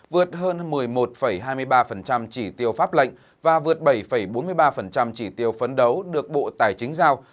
vượt hơn một mươi một hai mươi ba chỉ tiêu pháp lệnh và vượt bảy bốn mươi ba chỉ tiêu phấn đấu được bộ tài chính giao